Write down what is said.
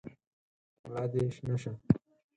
ملا دي شنه شه !